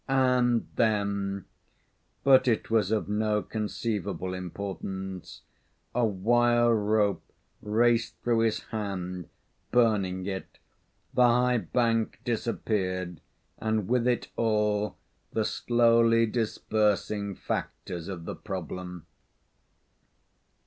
And then but it was of no conceivable importance a wire rope raced through his hand, burning it, the high bank disappeared, and with it all the slowly dispersing factors of the problem.